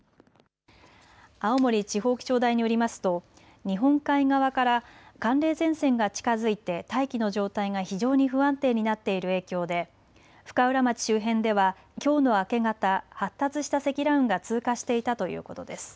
青森地方気象台によりますと日本海側から寒冷前線が近づいて大気の状態が非常に不安定になっている影響で深浦町周辺ではきょうの明け方、発達した積乱雲が通過していたということです。